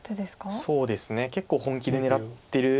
そうですね結構本気で狙ってる。